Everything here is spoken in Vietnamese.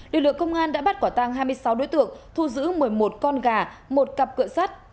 lực lượng công an đã bắt quả tăng hai mươi sáu đối tượng thu giữ một mươi một con gà một cặp cựa sắt